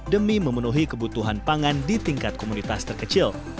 demi memenuhi kebutuhan pangan di tingkat komunitas terkecil